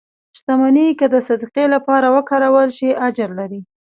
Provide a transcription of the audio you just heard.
• شتمني که د صدقې لپاره وکارول شي، اجر لري.